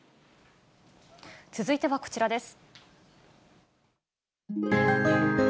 続いてはこちらです。